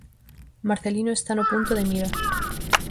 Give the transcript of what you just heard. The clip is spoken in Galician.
Marcelino está no punto de mira.